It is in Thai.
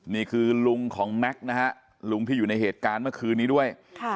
นี่คือลุงของแม็กซ์นะฮะลุงที่อยู่ในเหตุการณ์เมื่อคืนนี้ด้วย